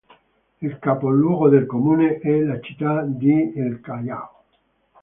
Il capoluogo del comune è la città di El Callao.